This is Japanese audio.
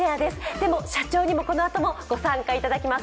でも社長にもこのあともご参加いただきます。